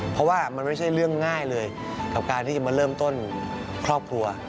เพราะว่ามันไม่ใช่เรื่องง่ายเลยกับการที่จะมาเริ่มต้นครอบครัว